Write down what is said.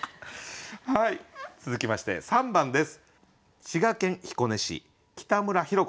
続きまして３番です。